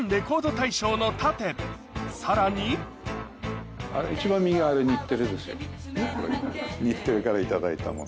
さらに日テレから頂いたもの。